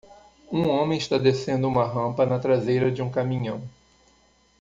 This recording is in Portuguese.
Um homem está descendo uma rampa na traseira de um caminhão.